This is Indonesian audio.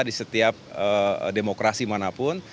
di setiap demokrasi manapun